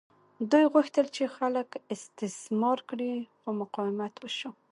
دوی غوښتل چې خلک استثمار کړي خو مقاومت وشو.